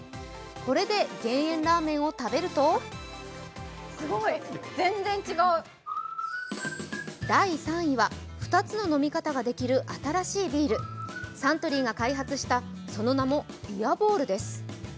これで減塩ラーメンを食べると第３位は、２つの飲み方ができる新しいビールサントリーが開発したその名もビアボールです。